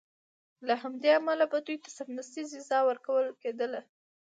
له همدې امله به دوی ته سمدستي جزا ورکول کېدله.